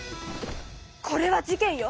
これは事件よ！